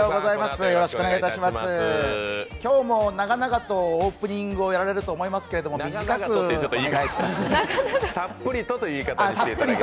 今日も長々とオープニングをやられると思いますけど、たっぷりとという言い方に。